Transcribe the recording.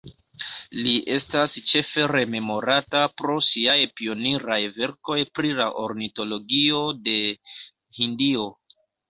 Li estas ĉefe rememorata pro siaj pioniraj verkoj pri la ornitologio de Hindio.